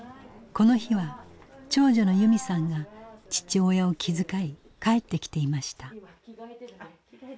この日は長女の由美さんが父親を気遣い帰ってきていました。